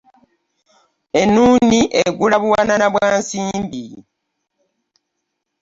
Ennuuni eggula buwanana bya nsimbi.